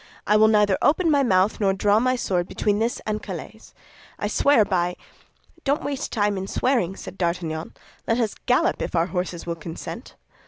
I will neither open my mouth nor draw my sword between this and Calais. I swear by—" "Don't waste time in swearing," said D'Artagnan; "let us gallop, if our horses will consent."